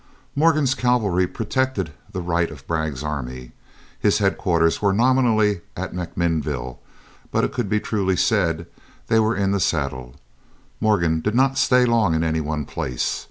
Morgan's cavalry protected the right of Bragg's army. His headquarters were nominally at MacMinnville, but it could truly be said they were in the saddle. Morgan did not stay long in any one place.